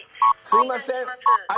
すいません